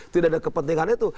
tidak ada kepentingannya tuh